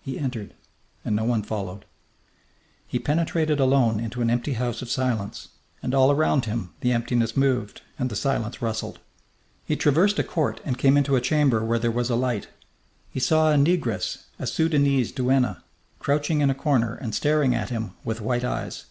He entered, and no one followed. He penetrated alone into an empty house of silence, and all around him the emptiness moved and the silence rustled. He traversed a court and came into a chamber where there was a light. He saw a negress, a Sudanese duenna, crouching in a corner and staring at him with white eyes.